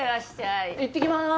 いってきまーす！